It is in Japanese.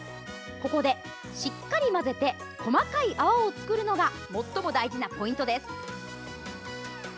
ここでしっかり混ぜて細かい泡を作るのが最も大事なポイントです。